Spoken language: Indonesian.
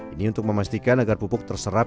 ini untuk memastikan agar pupuk terserap